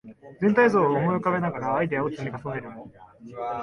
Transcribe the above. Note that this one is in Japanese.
全体像を思い浮かべながらアイデアを積み重ねる